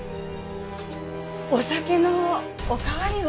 お酒のお代わりは？